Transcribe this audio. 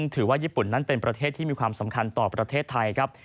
ถือว่าญี่ปุ่นนั้นเป็นประเทศที่มีความสำคัญต่อประเทศไทยครับ